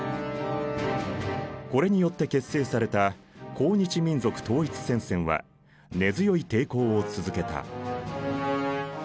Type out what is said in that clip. これによって結成された抗日民族統一戦線は根強い抵抗を続けた。